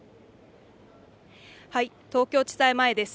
東京地裁前です